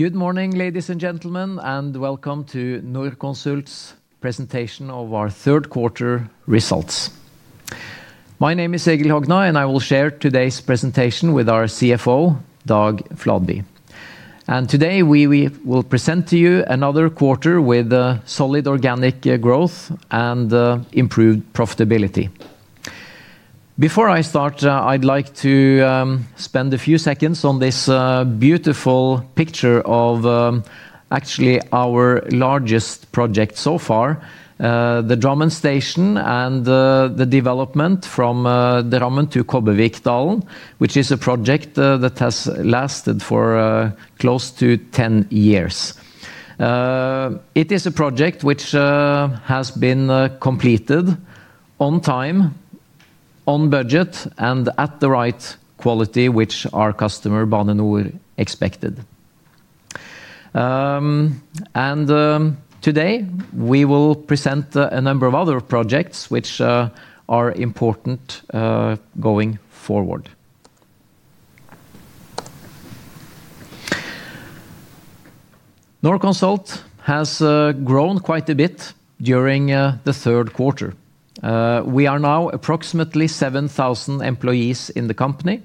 Good morning, ladies and gentlemen, and welcome to Norconsult's presentation of our third quarter results. My name is Egil Hogna, and I will share today's presentation with our CFO, Dag Fladby. Today we will present to you another quarter with solid organic growth and improved profitability. Before I start, I'd like to spend a few seconds on this beautiful picture of actually our largest project so far, the Drammen station and the development from Drammen to Kobblevikdalen, which is a project that has lasted for close to 10 years. It is a project which has been completed on time, on budget,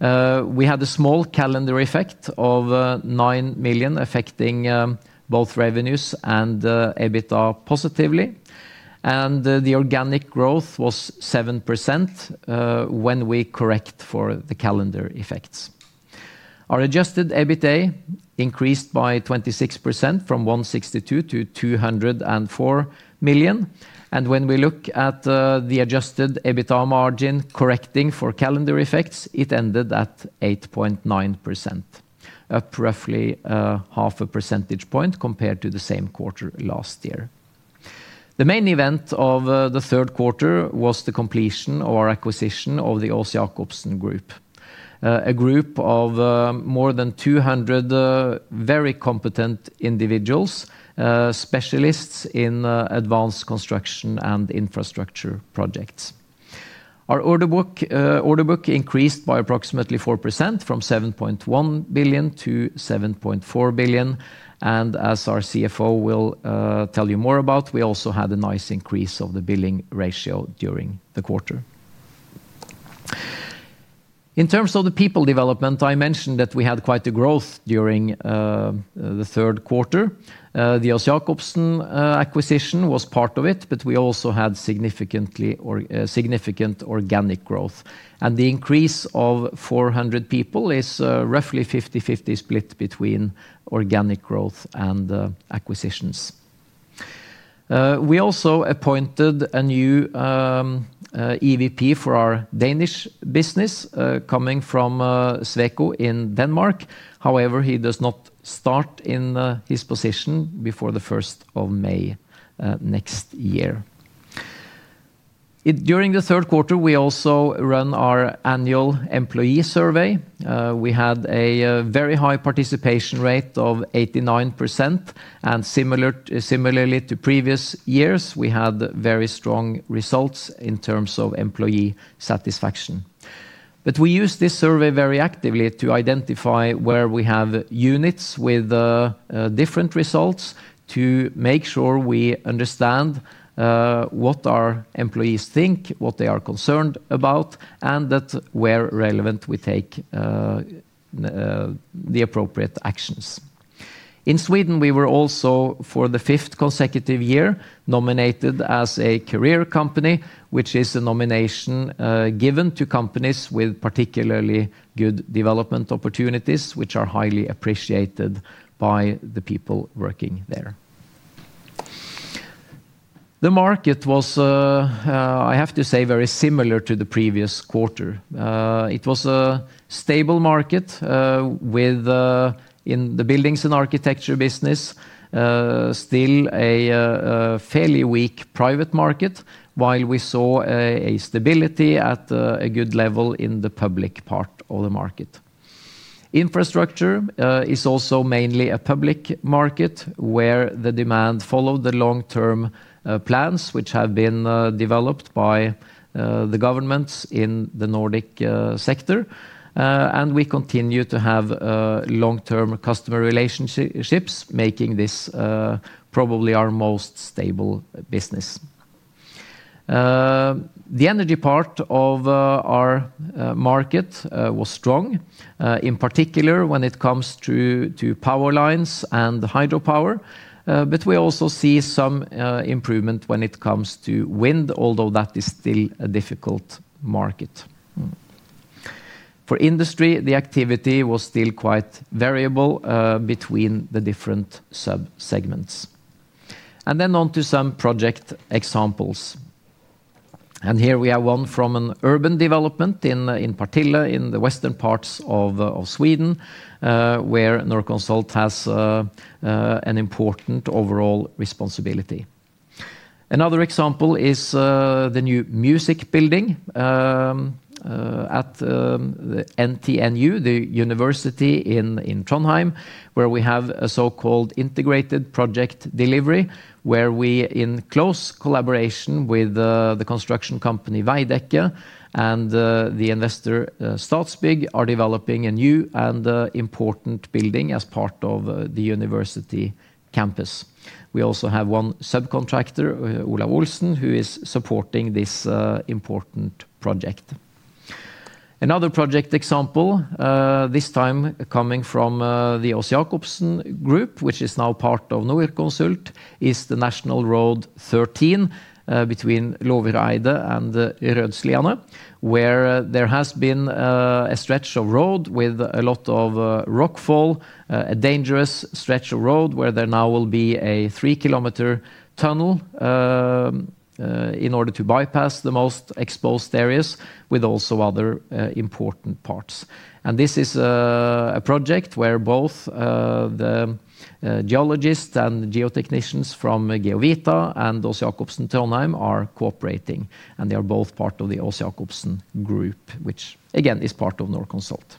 2.2 billion. We had a small calendar effect of 9 million affecting both revenues and EBITDA positively. The organic growth was 7% when we correct for the calendar effects. Our adjusted EBITA increased by 26% from 162 million to 204 million. When we look at the adjusted EBITDA margin correcting for calendar effects, it ended at 8.9%, up roughly half a percentage point compared to the same quarter last year. The main event of the third quarter was the completion of our acquisition of the Aas-Jakobsen Group, a group of more than 200 very competent individuals, specialists in advanced construction and infrastructure projects. Our order book increased by approximately 4% from NOK 7.1 billion to NOK 7.4 billion. As our CFO will tell you more about, we also had a nice increase of the billing ratio during the quarter. In terms of the people development, I mentioned that we had quite a growth during the third quarter. The Aas-Jakobsen acquisition was part of it, but we also had significant organic growth. The increase of 400 people is roughly 50/50 split between organic growth and acquisitions. We also appointed a new EVP for our Danish business coming from Sweco in Denmark. However, he does not start in his position before the 1st of May next year. During the third quarter, we also run our annual employee survey. We had a very high participation rate of 89%. Similarly to previous years, we had very strong results in terms of employee satisfaction. We use this survey very actively to identify where we have units with different results to make sure we understand what our employees think, what they are concerned about, and that where relevant we take the appropriate actions. In Sweden, we were also for the fifth consecutive year nominated as a career company, which is a nomination given to companies with particularly good development opportunities, which are highly appreciated by the people working there. The market was, I have to say, very similar to the previous quarter. It was a stable market. In the buildings and architecture business, still a fairly weak private market, while we saw a stability at a good level in the public part of the market. Infrastructure is also mainly a public market where the demand followed the long-term plans which have been developed by the governments in the Nordic sector. We continue to have long-term customer relationships, making this probably our most stable business. The energy part of our market was strong, in particular when it comes to power lines and hydropower. We also see some improvement when it comes to wind, although that is still a difficult market. For industry, the activity was still quite variable between the different sub-segments. On to some project examples. Here we have one from an urban development in Partille, in the western parts of Sweden, where Norconsult has an important overall responsibility. Another example is the new music building at NTNU, the university in Trondheim, where we have a so-called integrated project delivery, where we, in close collaboration with the construction company Veidekke and the investor Statsbygg, are developing a new and important building as part of the university campus. We also have one subcontractor, Ola Olsen, who is supporting this important project. Another project example, this time coming from the Aas-Jakobsen Group, which is now part of Norconsult, is the National Road 13 between Løverheia and Rødsli, where there has been a stretch of road with a lot of rockfall, a dangerous stretch of road where there now will be a 3 km tunnel in order to bypass the most exposed areas with also other important parts. This is a project where both the geologists and geotechnicians from Geovita and Aas-Jakobsen Trondheim are cooperating, and they are both part of the Aas-Jakobsen Group, which again is part of Norconsult.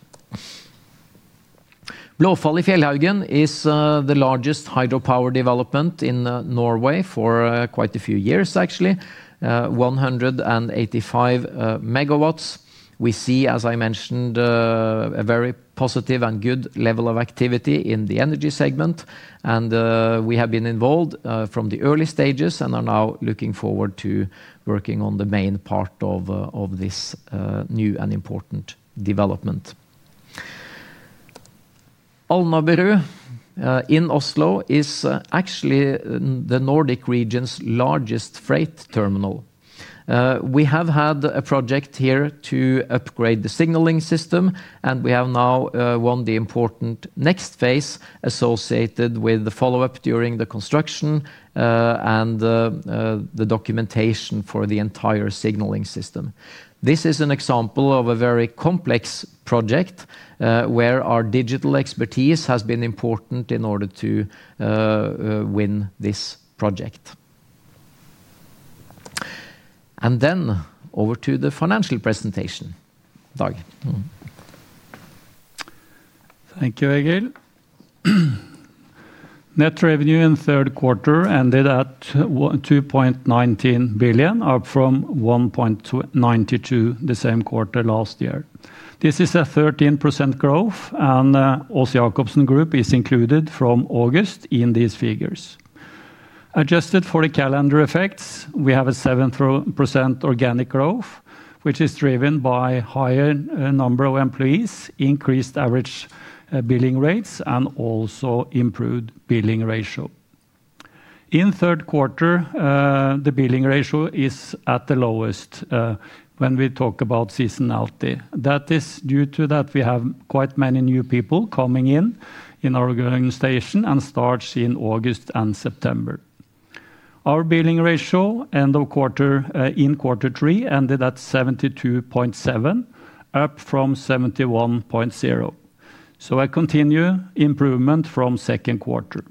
Blåfall i Fjellhaugen is the largest hydropower development in Norway for quite a few years, actually. 185 MW. We see, as I mentioned, a very positive and good level of activity in the energy segment. We have been involved from the early stages and are now looking forward to working on the main part of this new and important development. Alnabru in Oslo is actually the Nordic region's largest freight terminal. We have had a project here to upgrade the signaling system, and we have now won the important next phase associated with the follow-up during the construction. The documentation for the entire signaling system. This is an example of a very complex project where our digital expertise has been important in order to win this project. Then over to the financial presentation, Dag. Thank you, Egil. Net revenue in the third quarter ended at 2.19 billion, up from 1.92 billion the same quarter last year. This is a 13% growth, and Aas-Jakobsen Group is included from August in these figures. Adjusted for the calendar effects, we have a 7% organic growth, which is driven by a higher number of employees, increased average billing rates, and also improved billing ratio. In the third quarter, the billing ratio is at the lowest when we talk about seasonality. That is due to that we have quite many new people coming in in our growing station and starts in August and September. Our billing ratio end of quarter in quarter three ended at 72.7%, up from 71.0%. So a continued improvement from the second quarter.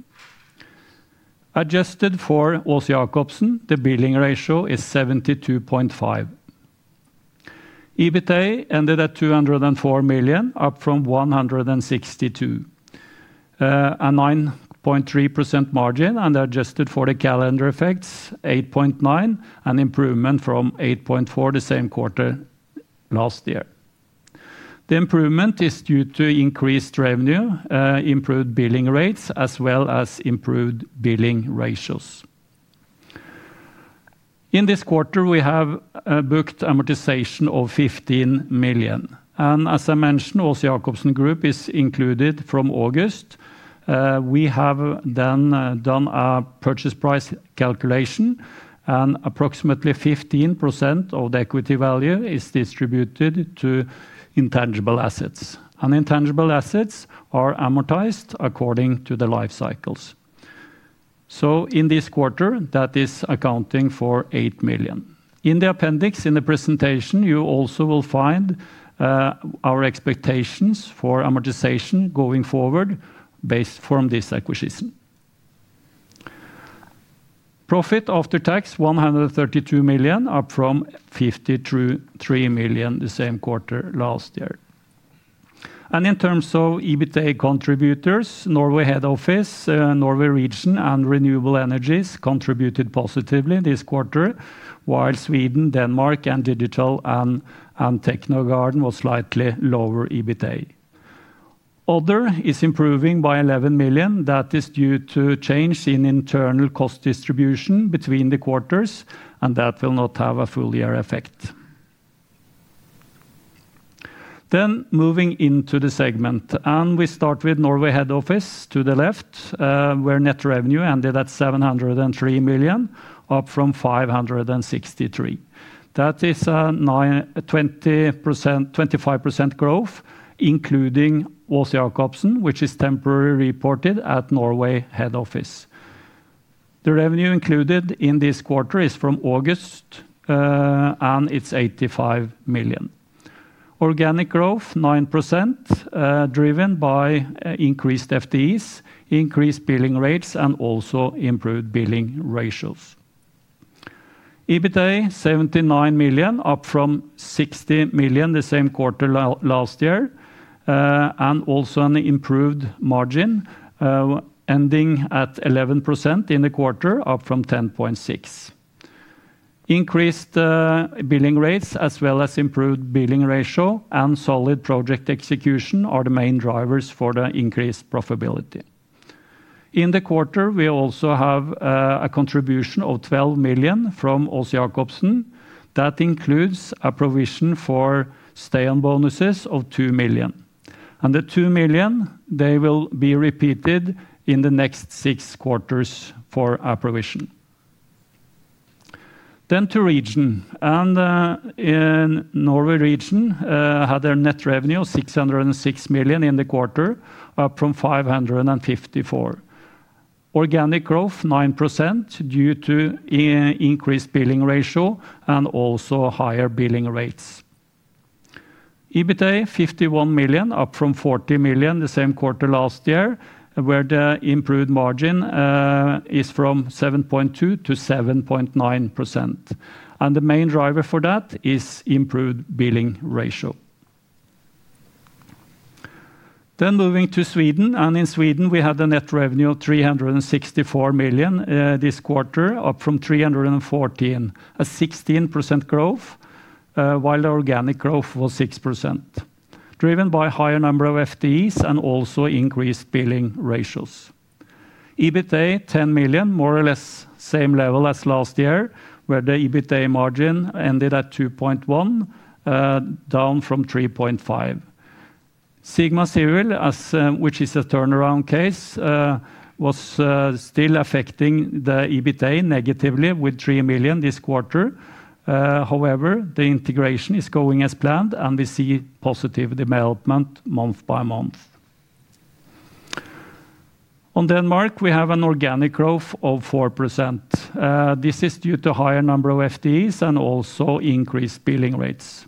Adjusted for Aas-Jakobsen, the billing ratio is 72.5%. EBITA ended at 204 million, up from 162 million. A 9.3% margin, and adjusted for the calendar effects, 8.9%, an improvement from 8.4% the same quarter last year. The improvement is due to increased revenue, improved billing rates, as well as improved billing ratios. In this quarter, we have booked amortization of 15 million. As I mentioned, Aas-Jakobsen Group is included from August. We have then done a purchase price calculation, and approximately 15% of the equity value is distributed to intangible assets. Intangible assets are amortized according to the life cycles. In this quarter, that is accounting for 8 million. In the appendix in the presentation, you also will find our expectations for amortization going forward based from this acquisition. Profit after tax: 132 million, up from 53 million the same quarter last year. In terms of EBITA contributors, Norway head office, Norway region, and renewable energies contributed positively this quarter, while Sweden, Denmark, and Digital and Technogarden was slightly lower EBITA. Other is improving by 11 million. That is due to change in internal cost distribution between the quarters, and that will not have a full year effect. Moving into the segment, and we start with Norway head office to the left, where net revenue ended at 703 million, up from 563 million. That is a 25% growth, including Aas-Jakobsen, which is temporarily reported at Norway head office. The revenue included in this quarter is from August, and it is 85 million. Organic growth: 9%. Driven by increased FTEs, increased billing rates, and also improved billing ratios. EBITA: 79 million, up from 60 million the same quarter last year. Also an improved margin, ending at 11% in the quarter, up from 10.6%. Increased billing rates, as well as improved billing ratio and solid project execution, are the main drivers for the increased profitability. In the quarter, we also have a contribution of 12 million from Aas-Jakobsen. That includes a provision for stay-on bonuses of 2 million. The 2 million will be repeated in the next six quarters for a provision. To region. In Norway, region had a net revenue of 606 million in the quarter, up from 554 million. Organic growth: 9% due to increased billing ratio and also higher billing rates. EBITA: 51 million, up from 40 million the same quarter last year, where the improved margin is from 7.2%-7.9%. The main driver for that is improved billing ratio. Moving to Sweden, in Sweden we had a net revenue of 364 million this quarter, up from 314 million, a 16% growth. The organic growth was 6%, driven by a higher number of FTEs and also increased billing ratios. EBITA: 10 million, more or less same level as last year, where the EBITA margin ended at 2.1%, down from 3.5%. Sigma Civil, which is a turnaround case, was still affecting the EBITA negatively with 3 million this quarter. However, the integration is going as planned, and we see positive development month by month. On Denmark, we have an organic growth of 4%. This is due to a higher number of FTEs and also increased billing rates.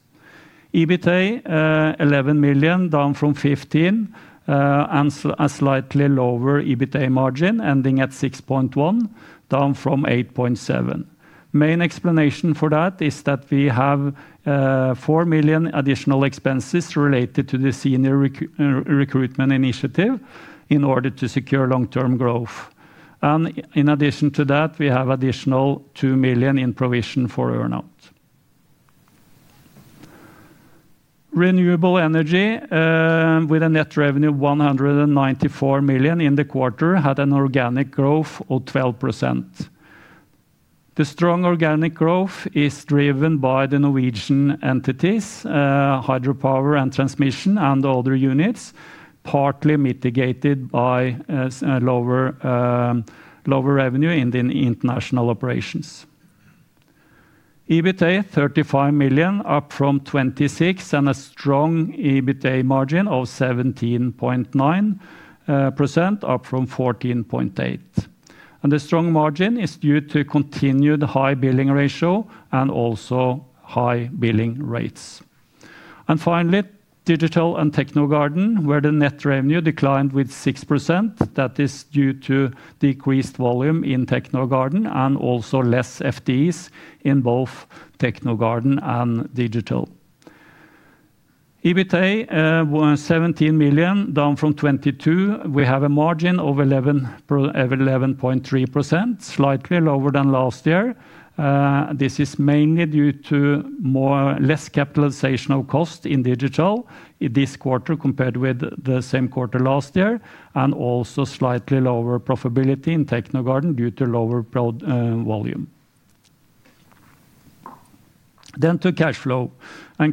EBITA: 11 million, down from 15 million, and a slightly lower EBITA margin, ending at 6.1%, down from 8.7%. The main explanation for that is that we have 4 million additional expenses related to the senior recruitment initiative in order to secure long-term growth. In addition to that, we have an additional 2 million in provision for earnout. Renewable energy, with a net revenue of 194 million in the quarter, had an organic growth of 12%. The strong organic growth is driven by the Norwegian entities, Hydropower and Transmission, and other units, partly mitigated by lower revenue in the international operations. EBITA: 35 million, up from 26 million, and a strong EBITA margin of 17.9%, up from 14.8%. The strong margin is due to continued high billing ratio and also high billing rates. Finally, Digital and Technogarden, where the net revenue declined by 6%. That is due to decreased volume in Technogarden and also fewer FTEs in both Technogarden and Digital. EBITA: 17 million, down from 22 million. We have a margin of 11.3%, slightly lower than last year. This is mainly due to less capitalization of cost in Digital this quarter compared with the same quarter last year, and also slightly lower profitability in Technogarden due to lower volume. To cash flow.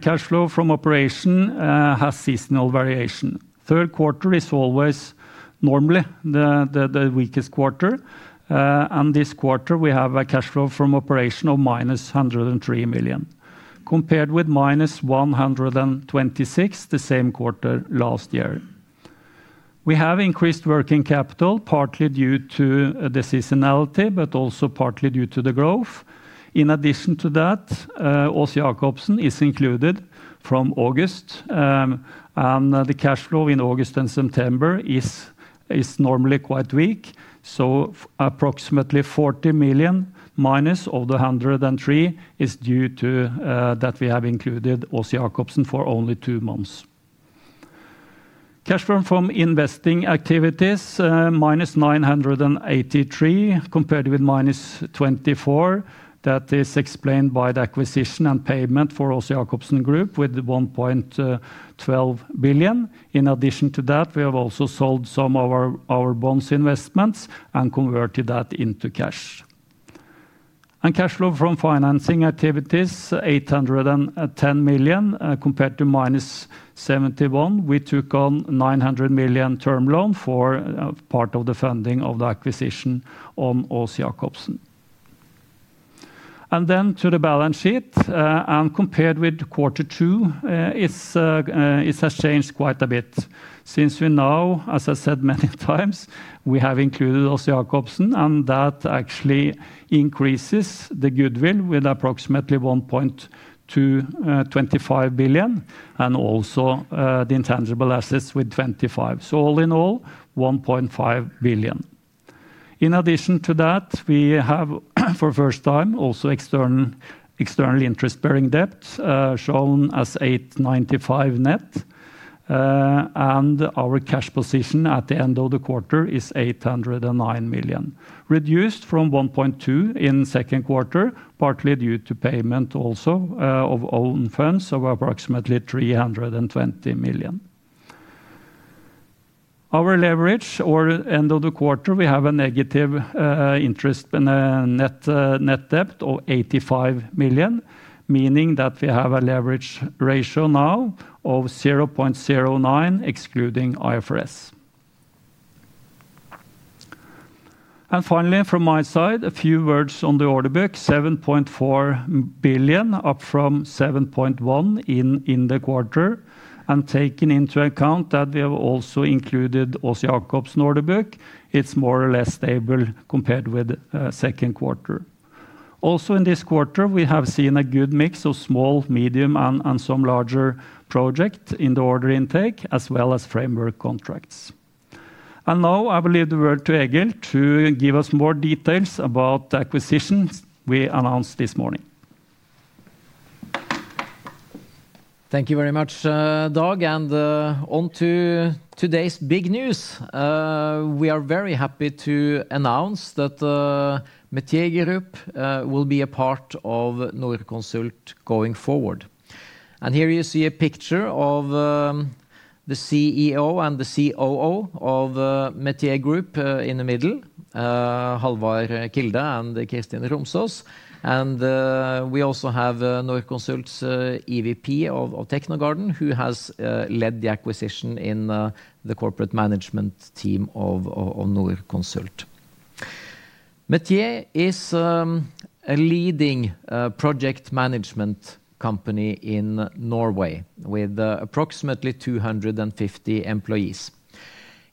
Cash flow from operation has seasonal variation. Third quarter is always normally the weakest quarter. This quarter we have a cash flow from operation of minus 103 million, compared with minus 126 million the same quarter last year. We have increased working capital, partly due to the seasonality, but also partly due to the growth. In addition to that, Aas-Jakobsen is included from August. The cash flow in August and September is normally quite weak. Approximately 40 million minus of the 103 million is due to that we have included Aas-Jakobsen for only two months. Cash flow from investing activities: minus 983 million compared with minus 24 million. That is explained by the acquisition and payment for Aas-Jakobsen Group with 1.12 billion. In addition to that, we have also sold some of our bonds investments and converted that into cash. Cash flow from financing activities: 810 million compared to minus 71 million. We took on a 900 million term loan for part of the funding of the acquisition on Aas-Jakobsen. To the balance sheet, and compared with quarter two, it has changed quite a bit. Since we now, as I said many times, we have included Aas-Jakobsen, and that actually increases the goodwill with approximately 1.225 billion, and also the intangible assets with 25 million. All in all, 1.5 billion. In addition to that, we have, for the first time, also external interest-bearing debt shown as 895 million net. Our cash position at the end of the quarter is 809 million, reduced from 1.2 billion in the second quarter, partly due to payment also of own funds of approximately 320 million. Our leverage or end of the quarter, we have a negative interest net debt of 85 million, meaning that we have a leverage ratio now of 0.09, excluding IFRS. Finally, from my side, a few words on the order book: 7.4 billion, up from 7.1 billion in the quarter. Taking into account that we have also included Aas-Jakobsen order book, it is more or less stable compared with the second quarter. Also, in this quarter, we have seen a good mix of small, medium, and some larger projects in the order intake, as well as framework contracts. I will leave the word to Egil to give us more details about the acquisitions we announced this morning. Thank you very much, Dag. On to today's big news. We are very happy to announce that Meteor Group will be a part of Norconsult going forward. Here you see a picture of the CEO and the COO of Meteor Group in the middle, Halvard Kilde and Kristin Romsås. We also have Norconsult's EVP of Technogarden, who has led the acquisition in the corporate management team of Norconsult. Meteor is a leading project management company in Norway with approximately 250 employees.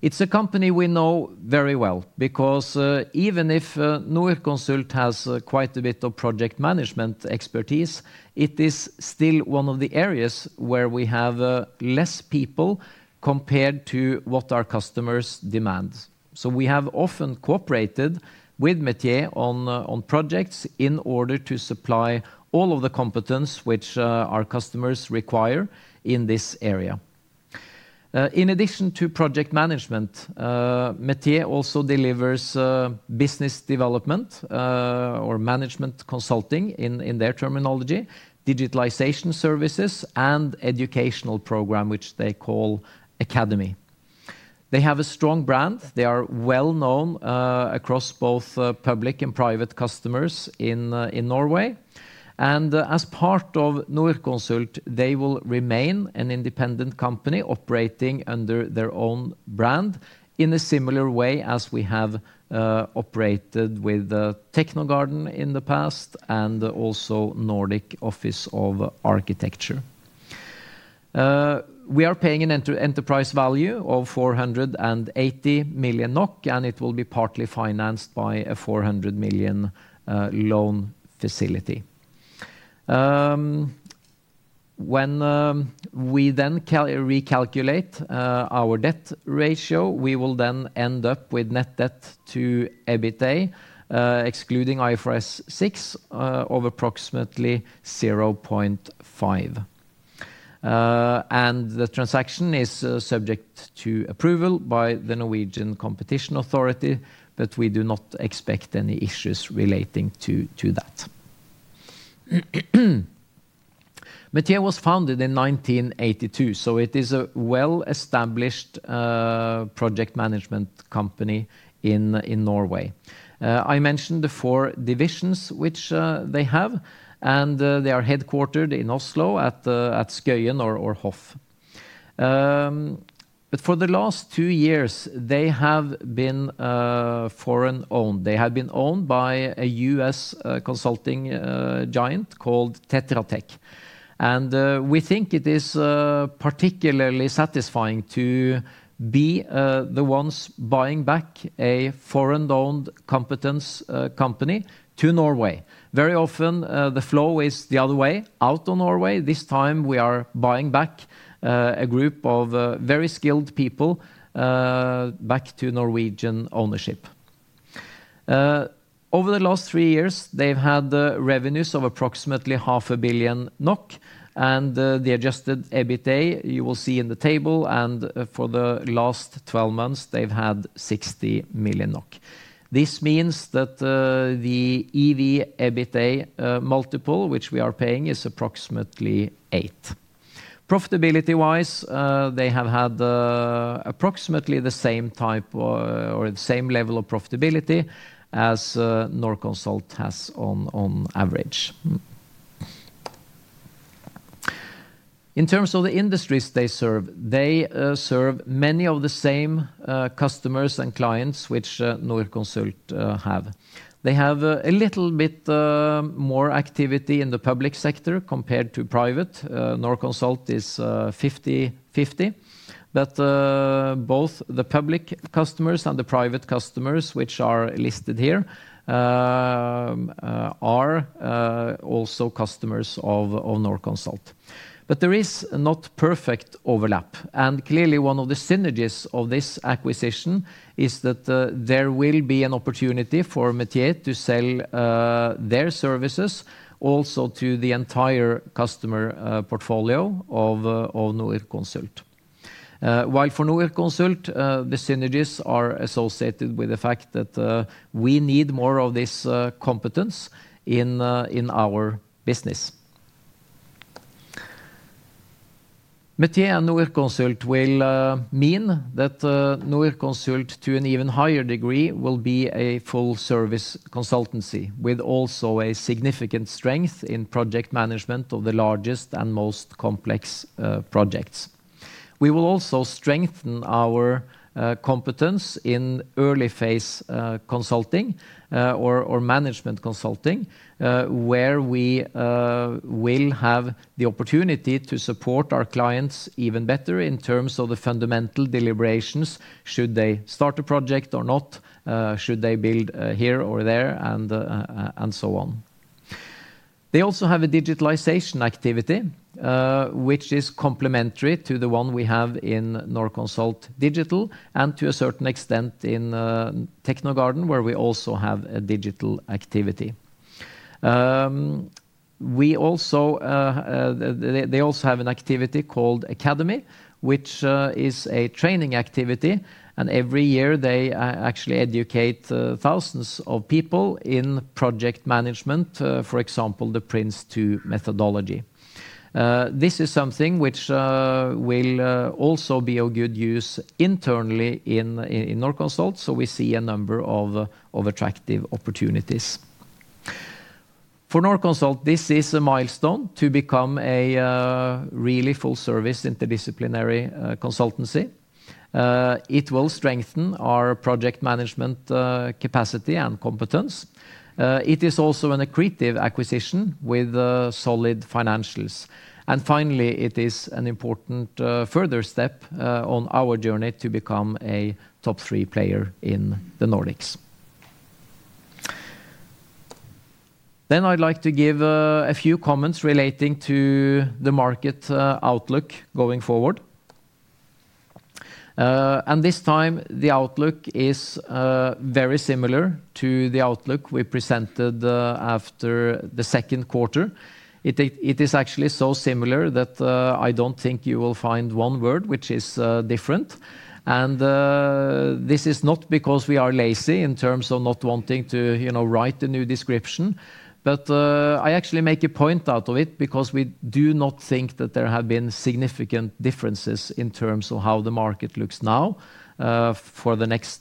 It is a company we know very well because even if Norconsult has quite a bit of project management expertise, it is still one of the areas where we have less people compared to what our customers demand. We have often cooperated with Meteor on projects in order to supply all of the competence which our customers require in this area. In addition to project management, Meteor also delivers business development or management consulting in their terminology, digitalization services, and an educational program, which they call Academy. They have a strong brand. They are well known across both public and private customers in Norway. As part of Norconsult, they will remain an independent company operating under their own brand in a similar way as we have operated with Technogarden in the past and also Nordic Office of Architecture. We are paying an enterprise value of NOK 480 million, and it will be partly financed by a NOK 400 million loan facility. When we then recalculate our debt ratio, we will then end up with net debt to EBITA, excluding IFRS 6, of approximately 0.5. The transaction is subject to approval by the Norwegian Competition Authority, but we do not expect any issues relating to that. Meteor was founded in 1982, so it is a well-established project management company in Norway. I mentioned the four divisions which they have, and they are headquartered in Oslo at Skøyen or Hoff. For the last two years, they have been foreign owned. They have been owned by a US consulting giant called Tetra Tech. We think it is particularly satisfying to be the ones buying back a foreign-owned competence company to Norway. Very often, the flow is the other way, out of Norway. This time, we are buying back a group of very skilled people back to Norwegian ownership. Over the last three years, they have had revenues of approximately 500 million NOK, and the adjusted EBITA, you will see in the table, and for the last 12 months, they have had 60 million NOK. This means that the EV EBITA multiple, which we are paying, is approximately eight. Profitability-wise, they have had approximately the same type or the same level of profitability as Norconsult has on average. In terms of the industries they serve, they serve many of the same customers and clients which Norconsult have. They have a little bit more activity in the public sector compared to private. Norconsult is 50-50, but both the public customers and the private customers which are listed here are also customers of Norconsult. There is not perfect overlap. Clearly, one of the synergies of this acquisition is that there will be an opportunity for Meteor to sell their services also to the entire customer portfolio of Norconsult. For Norconsult, the synergies are associated with the fact that we need more of this competence in our business. Meteor and Norconsult will mean that Norconsult, to an even higher degree, will be a full-service consultancy with also a significant strength in project management of the largest and most complex projects. We will also strengthen our competence in early phase consulting or management consulting where we. Will have the opportunity to support our clients even better in terms of the fundamental deliberations: should they start a project or not, should they build here or there, and so on. They also have a digitalization activity, which is complementary to the one we have in Norconsult Digital and to a certain extent in Technogarden, where we also have a digital activity. They also have an activity called Academy, which is a training activity. And every year, they actually educate thousands of people in project management, for example, the PRINCE2 methodology. This is something which will also be of good use internally in Norconsult, so we see a number of attractive opportunities. For Norconsult, this is a milestone to become a really full-service interdisciplinary consultancy. It will strengthen our project management capacity and competence. It is also an accretive acquisition with solid financials. It is an important further step on our journey to become a top three player in the Nordics. I would like to give a few comments relating to the market outlook going forward. This time, the outlook is very similar to the outlook we presented after the second quarter. It is actually so similar that I do not think you will find one word which is different. This is not because we are lazy in terms of not wanting to write a new description, but I actually make a point out of it because we do not think that there have been significant differences in terms of how the market looks now for the next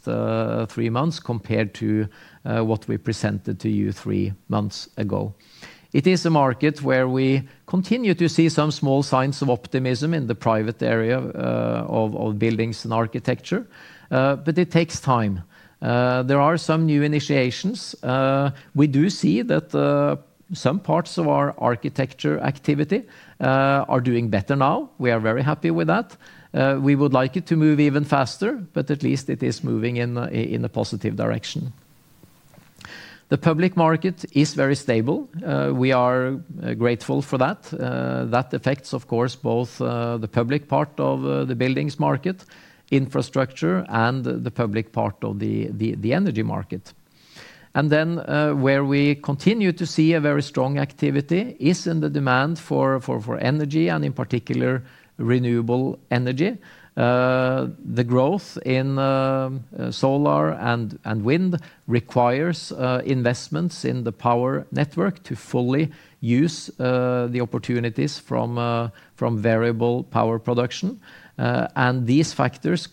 three months compared to what we presented to you three months ago. It is a market where we continue to see some small signs of optimism in the private area of buildings and architecture, but it takes time. There are some new initiations. We do see that some parts of our architecture activity are doing better now. We are very happy with that. We would like it to move even faster, but at least it is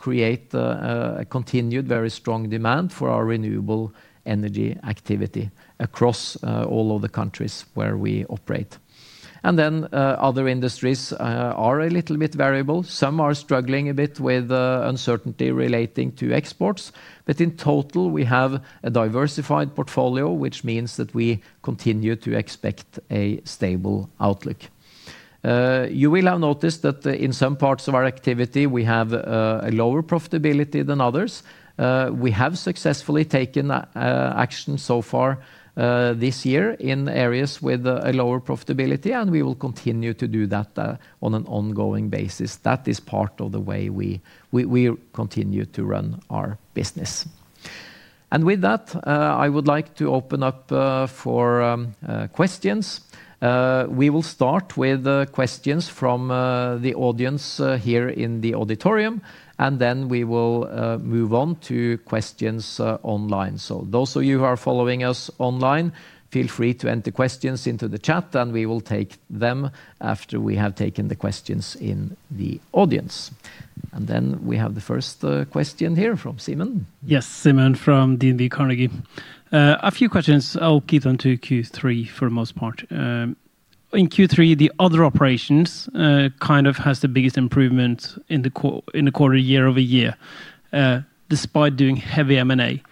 We will start with questions from the audience here in the auditorium, and then we will move on to questions online. Those of you who are following us online, feel free to enter questions into the chat, and we will take them after we have taken the questions in the audience. We have the first question here from Simen. Yes, Simen from DNB Carnegie. A few questions. I'll keep them to Q3 for the most part. In Q3, the other operations kind of have the biggest improvement in the quarter year-over-year. Despite doing heavy M&A.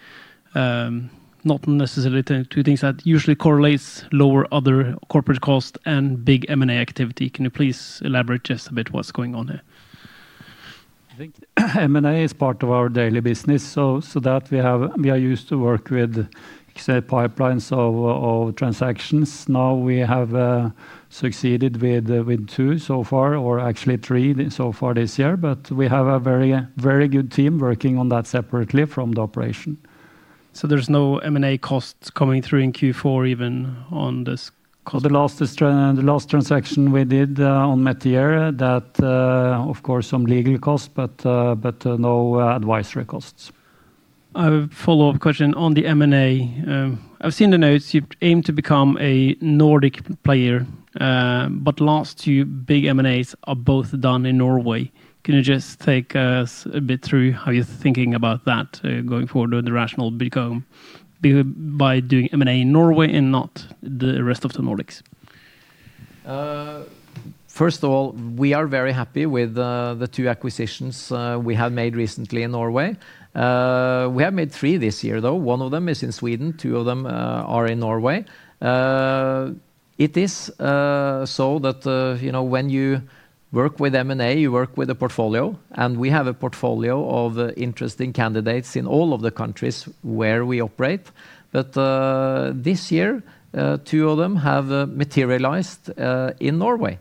Not necessarily two things that usually correlate: lower other corporate costs and big M&A activity. Can you please elaborate just a bit what's going on here? I think M&A is part of our daily business, so that we are used to work with pipelines of transactions. Now we have succeeded with two so far, or actually three so far this year, but we have a very good team working on that separately from the operation. There's no M&A costs coming through in Q4 even on this cost? The last transaction we did on Meteor, that, of course, some legal costs, but no advisory costs. A follow-up question on the M&A. I've seen the notes. You aim to become a Nordic player, but last two big M&As are both done in Norway. Can you just take us a bit through how you're thinking about that going forward with the rational become by doing M&A in Norway and not the rest of the Nordics? First of all, we are very happy with the two acquisitions we have made recently in Norway. We have made three this year, though. One of them is in Sweden. Two of them are in Norway. It is so that when you work with M&A, you work with a portfolio, and we have a portfolio of interesting candidates in all of the countries where we operate. This year, two of them have materialized in Norway.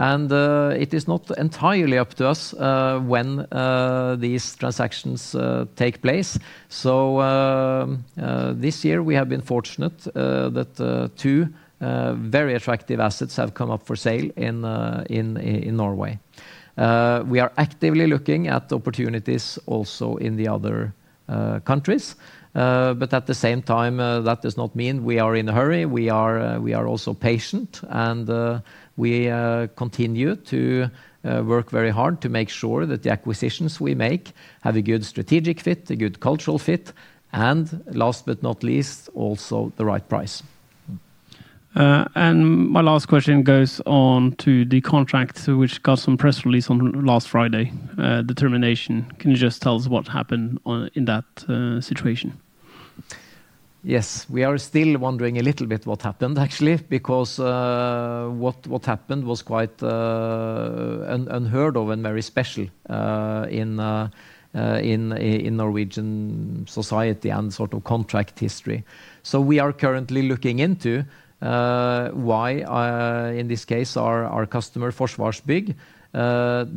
It is not entirely up to us when these transactions take place. This year, we have been fortunate that two very attractive assets have come up for sale in Norway. We are actively looking at opportunities also in the other countries. At the same time, that does not mean we are in a hurry. We are also patient, and we continue to work very hard to make sure that the acquisitions we make have a good strategic fit, a good cultural fit, and last but not least, also the right price. My last question goes on to the contract, which got some press release on last Friday, the termination. Can you just tell us what happened in that situation? Yes, we are still wondering a little bit what happened, actually, because what happened was quite unheard of and very special in Norwegian society and sort of contract history. We are currently looking into why, in this case, our customer Forsvarsbygg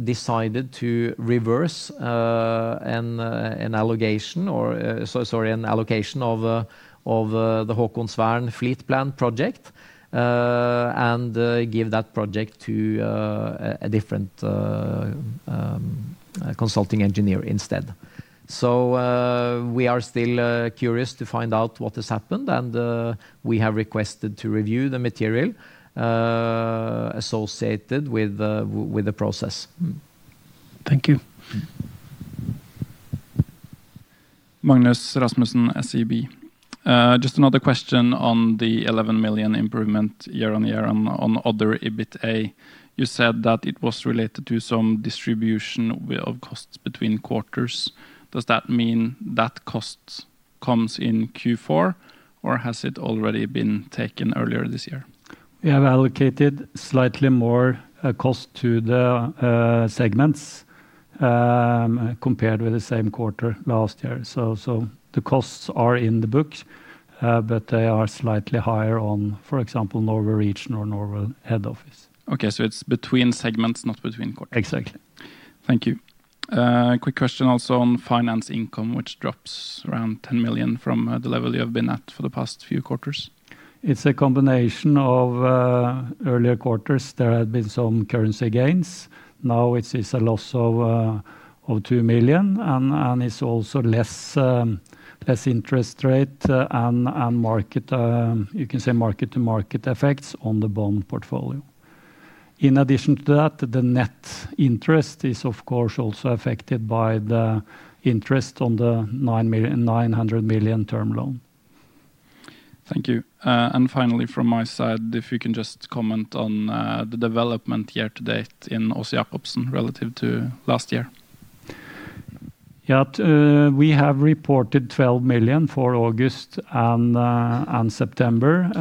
decided to reverse an allocation or, sorry, an allocation of the Håkonsvern Fleet Plan project and give that project to a different consulting engineer instead. We are still curious to find out what has happened, and we have requested to review the material associated with the process. Thank you. Magnus Rasmussen, SEB. Just another question on the 11 million improvement year on year on other EBITA. You said that it was related to some distribution of costs between quarters. Does that mean that cost comes in Q4, or has it already been taken earlier this year? We have allocated slightly more cost to the segments compared with the same quarter last year. The costs are in the book, but they are slightly higher on, for example, Norway region or Norway head office. Okay, so it is between segments, not between quarters. Exactly. Thank you. Quick question also on finance income, which drops around 10 million from the level you have been at for the past few quarters. It is a combination of earlier quarters. There had been some currency gains. Now it is a loss of 2 million, and it is also less interest rate and, you can say, market-to-market effects on the bond portfolio. In addition to that, the net interest is, of course, also affected by the interest on the 900 million term loan. Thank you. Finally, from my side, if you can just comment on the development year to date in Aas-Jakobsen Group relative to last year. Yeah, we have reported 12 million for August and September.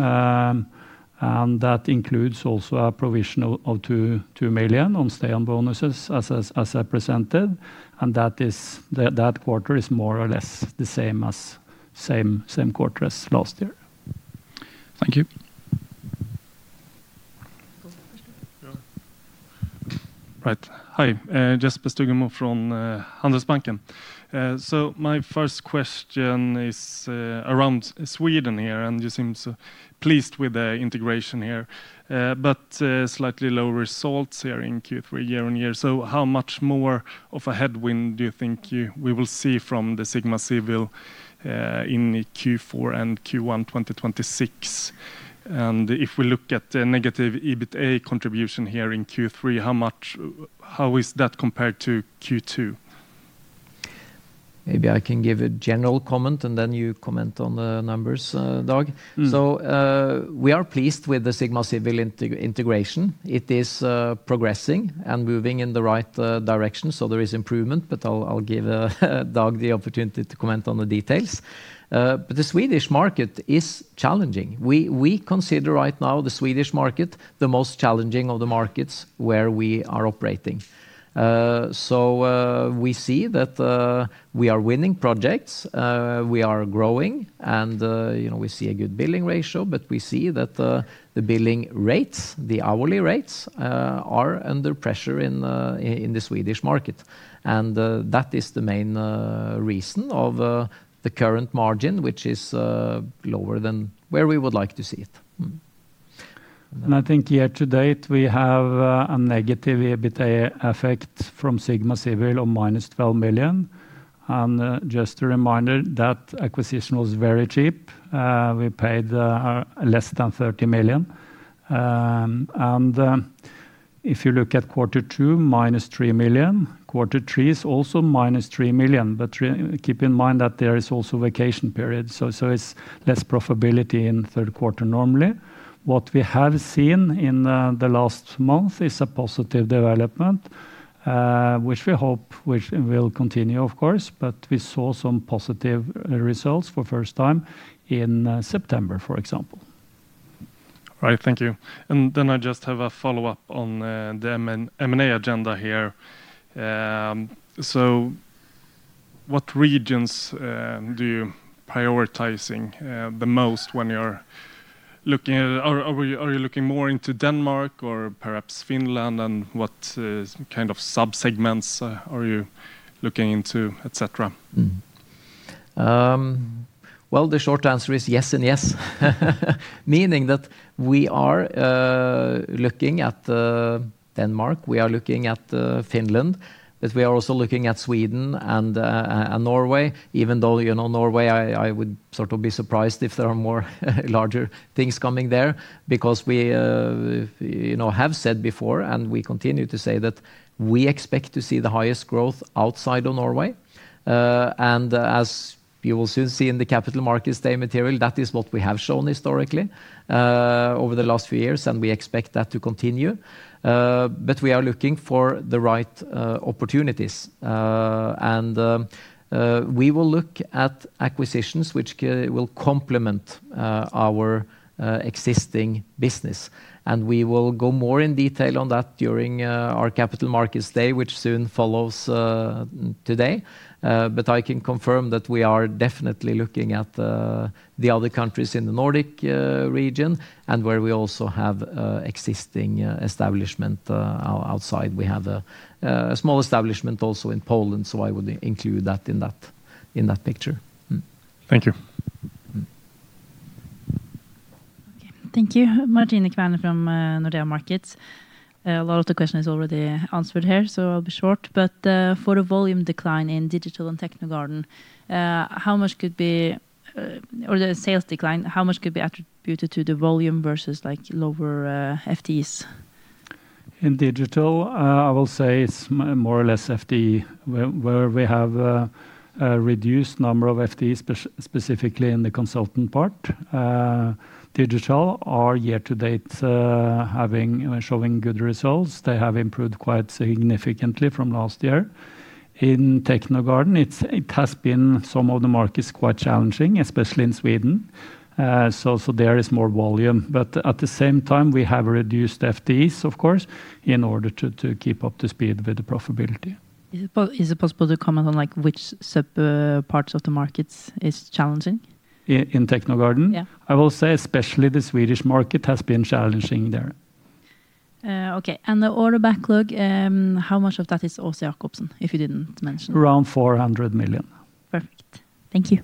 That includes also a provisional of 2 million on stay-on bonuses, as I presented. That quarter is more or less the same as same quarter as last year. Thank you. Right. Hi, Jesper Stugemo from Handelsbanken. My first question is around Sweden here, and you seem so pleased with the integration here, but slightly lower results here in Q3 year on year. How much more of a headwind do you think we will see from the Sigma Civil in Q4 and Q1 2026? If we look at the negative EBITA contribution here in Q3, how is that compared to Q2? Maybe I can give a general comment, and then you comment on the numbers, Dag. We are pleased with the Sigma Civil integration. It is progressing and moving in the right direction, so there is improvement, but I will give Dag the opportunity to comment on the details. The Swedish market is challenging. We consider right now the Swedish market the most challenging of the markets where we are operating. We see that we are winning projects. We are growing, and we see a good billing ratio, but we see that the billing rates, the hourly rates, are under pressure in the Swedish market. That is the main reason of the current margin, which is lower than where we would like to see it. I think year to date, we have a negative EBITA effect from Sigma Civil of minus NOK 12 million. Just a reminder that acquisition was very cheap. We paid less than 30 million. If you look at quarter two, minus 3 million. Quarter three is also minus 3 million, but keep in mind that there is also a vacation period, so it is less profitability in the third quarter normally. What we have seen in the last month is a positive development, which we hope will continue, of course, but we saw some positive results for the first time in September, for example. Right, thank you. I just have a follow-up on the M&A agenda here. What regions do you prioritize the most when you are looking at it? Are you looking more into Denmark or perhaps Finland, and what kind of sub-segments are you looking into, etc.? The short answer is yes and yes. Meaning that we are looking at Denmark, we are looking at Finland, but we are also looking at Sweden and Norway, even though Norway, I would sort of be surprised if there are more larger things coming there because we have said before, and we continue to say that we expect to see the highest growth outside of Norway. As you will soon see in the capital markets day material, that is what we have shown historically over the last few years, and we expect that to continue. We are looking for the right opportunities. We will look at acquisitions which will complement our existing business. We will go more in detail on that during our capital markets day, which soon follows today. I can confirm that we are definitely looking at the other countries in the Nordic region and where we also have existing establishment outside. We have a small establishment also in Poland, so I would include that in that picture. Thank you. Thank you. Martine Kverne from Nordea Markets. A lot of the questions are already answered here, so I will be short. For a volume decline in digital and Technogarden, how much could be, or the sales decline, how much could be attributed to the volume versus lower FTEs? In digital, I will say it is more or less FTE where we have a reduced number of FTEs, specifically in the consultant part. Digital are year to date showing good results. They have improved quite significantly from last year. In Technogarden, it has been some of the markets quite challenging, especially in Sweden. There is more volume, but at the same time, we have reduced FTEs, of course, in order to keep up to speed with the profitability. Is it possible to comment on which subparts of the markets is challenging? In Technogarden? Yeah. I will say especially the Swedish market has been challenging there. Okay. And the order backlog, how much of that is Aas-Jakobsen Group if you did not mention? Around 400 million. Perfect. Thank you.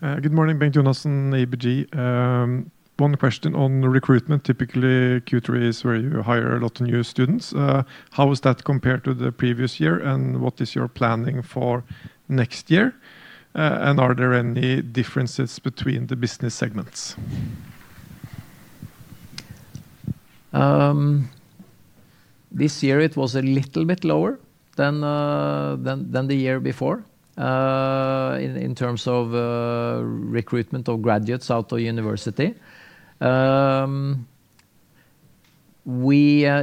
Good morning, Bengt Jonassen, ABG. One question on recruitment. Typically, Q3 is where you hire a lot of new students. How is that compared to the previous year, and what is your planning for next year? And are there any differences between the business segments? This year, it was a little bit lower than the year before in terms of recruitment of graduates out of university. It is a little bit too early to sort of give any precise information on next year, but we plan to continue to grow. We plan to continue to recruit new graduates. It might be that the number, I mean, my base case is that the number will be fairly similar to what it has been this year, also next year, but it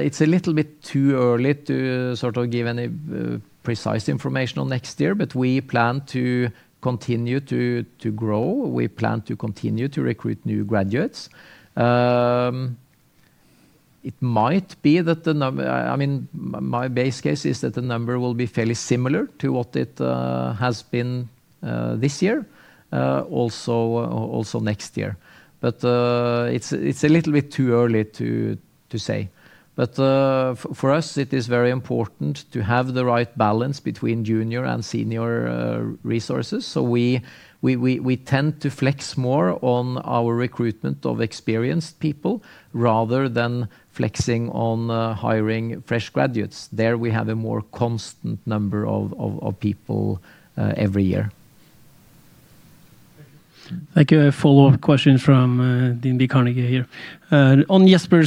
is a little bit too early to say. For us, it is very important to have the right balance between junior and senior resources. We tend to flex more on our recruitment of experienced people rather than flexing on hiring fresh graduates. There we have a more constant number of people every year. Thank you. A follow-up question from DNB Carnegie here. On Jesper'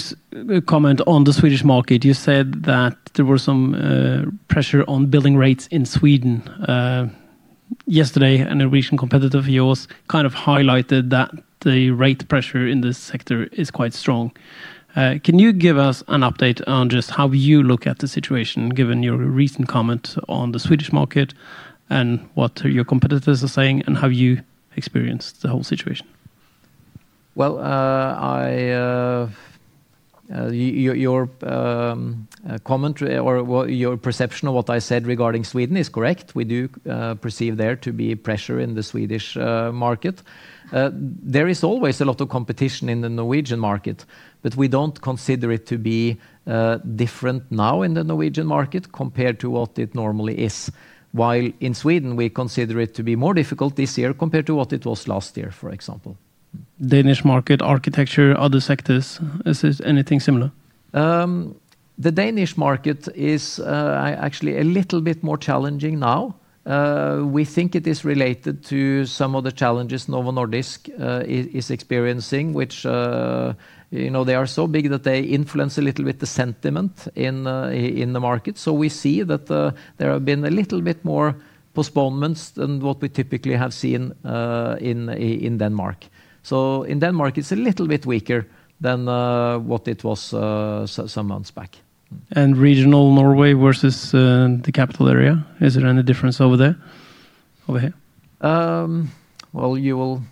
comment on the Swedish market, you said that there was some pressure on billing rates in Sweden. Yesterday, a Norwegian competitor of yours kind of highlighted that the rate pressure in this sector is quite strong. Can you give us an update on just how you look at the situation given your recent comment on the Swedish market and what your competitors are saying and how you experienced the whole situation? Your comment or your perception of what I said regarding Sweden is correct. We do perceive there to be pressure in the Swedish market. There is always a lot of competition in the Norwegian market, but we do not consider it to be different now in the Norwegian market compared to what it normally is. In Sweden, we consider it to be more difficult this year compared to what it was last year, for example. Danish market architecture, other sectors, is it anything similar? The Danish market is actually a little bit more challenging now. We think it is related to some of the challenges Novo Nordisk is experiencing, which, they are so big that they influence a little bit the sentiment in the market. We see that there have been a little bit more postponements than what we typically have seen in Denmark. In Denmark, it is a little bit weaker than what it was some months back. Regional Norway versus the capital area, is there any difference over there? Over here? You will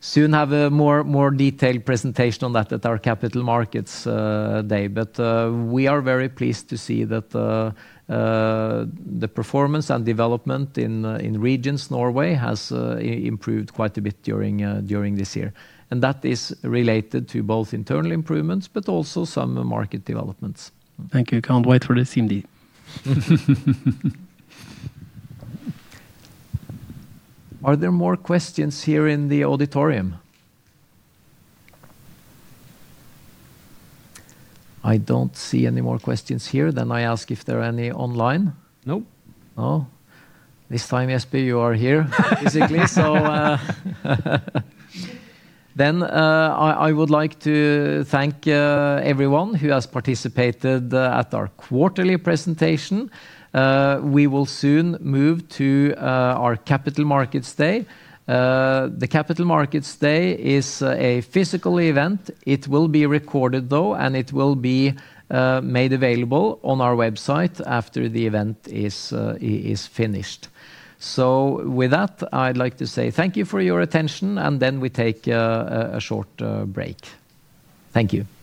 soon have a more detailed presentation on that at our capital markets day, but we are very pleased to see that the performance and development in regions Norway has improved quite a bit during this year. That is related to both internal improvements, but also some market developments. Thank you. Cannot wait for this, Cindy. Are there more questions here in the auditorium? I do not see any more questions here. I ask if there are any online. Nope. No. This time, Jesper, you are here physically. I would like to thank everyone who has participated at our quarterly presentation. We will soon move to our capital markets day. The capital markets day is a physical event. It will be recorded, though, and it will be made available on our website after the event is finished. With that, I would like to say thank you for your attention, and then we take a short break. Thank you. Thank you.